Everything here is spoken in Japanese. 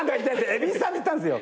蛭子さんって言ったんですよ。